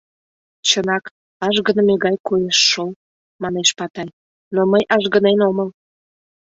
— Чынак, ажгыныме гай коеш шол, — манеш Патай, — но мый ажгынен омыл.